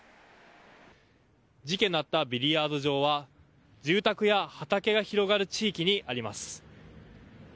事件があったビリヤード場は住宅や畑が広がる地域にあります。